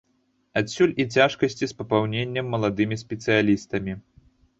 Адсюль і цяжкасці з папаўненнем маладымі спецыялістамі.